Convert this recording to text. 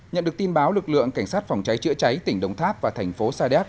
nhận được tin báo lực lượng cảnh sát phòng cháy chữa cháy tỉnh đồng tháp và thành phố sa đéc